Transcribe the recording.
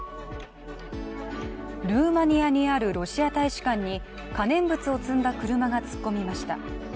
ルーマニアにあるロシア大使館に可燃物を積んだ車が突っ込みました。